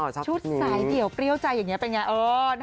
ชุดสายเดี่ยวเปรี้ยวใจอย่างนี้เป็นไง